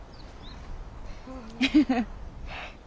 フフフッ。